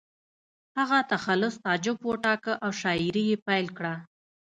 هغه تخلص تعجب وټاکه او شاعري یې پیل کړه